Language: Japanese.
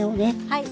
はい。